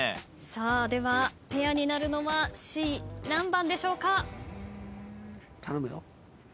ではペアになるのはＣ何番でしょうか？